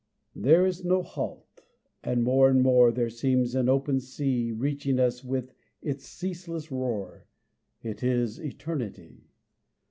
There is no halt; and more and more There seems an open sea Reaching us with its ceaseless roar It is eternity.